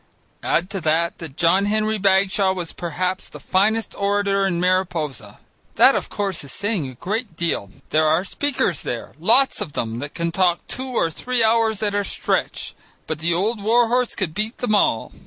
Add to that that John Henry Bagshaw was perhaps the finest orator in Mariposa. That, of course, is saying a great deal. There are speakers there, lots of them that can talk two or three hours at a stretch, but the old war horse could beat them all.